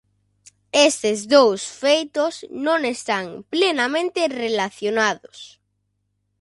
Estes dous feitos non están plenamente relacionados.